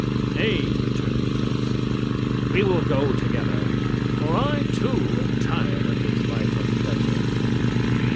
"Nay," returned the prince, "we will go together; for I, too, am tired of this life of pleasure."